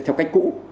theo cách cũ